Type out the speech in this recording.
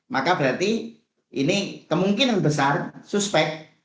maka berarti ini kemungkinan besar suspek